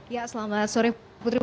ya selamat sore putri